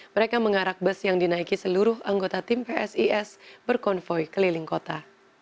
mereka mengarak bus yang dinaiki seluruh anggota tim psis berkonvoy keliling kota